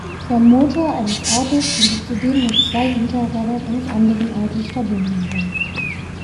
Der Motor eines Autos könnte zudem mit zwei Hinterrädern eines anderen Autos verbunden sein.